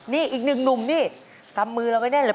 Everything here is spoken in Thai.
นี่อีกหนึ่งหนุ่มนี่กำมือเราไว้แน่นเลย